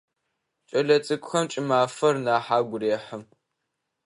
Кӏэлэцӏыкӏухэм кӏымафэр нахь агу рехьы.